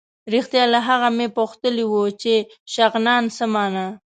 رښتیا له هغه مې پوښتلي وو چې شغنان څه مانا.